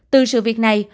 từ sự việc này